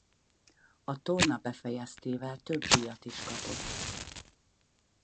A torna befejeztével több díjat is kapott.